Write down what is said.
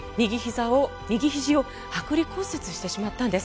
右ひじをはく離骨折してしまったんです。